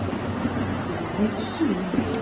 では父上に。